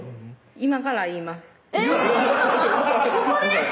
今から言いますえぇ！